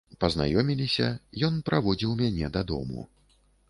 Пазнаёміліся, ён праводзіў мяне дадому.